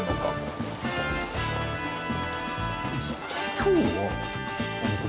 今日はあ。